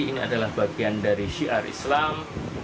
ini adalah bagian dari syiar islam